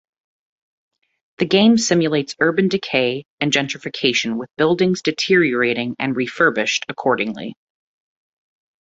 The game simulates urban decay and gentrification with buildings deteriorating and refurbished accordingly.